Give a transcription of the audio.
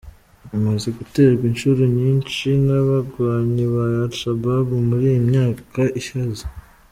Imaze guterwa incuro nyinshi n’abagwanyi ba Al Shabab muri iyi myaka iheze.